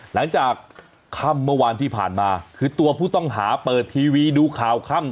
หลังจากค่ำเมื่อวานที่ผ่านมาคือตัวผู้ต้องหาเปิดทีวีดูข่าวค่ำ